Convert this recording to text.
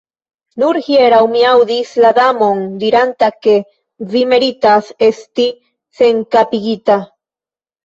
"Nur hieraŭ mi aŭdis la Damon diranta ke vi meritas esti senkapigita."